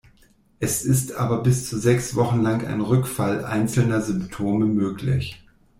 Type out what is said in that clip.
Es ist aber bis zu sechs Wochen lang ein Rückfall einzelner Symptome möglich.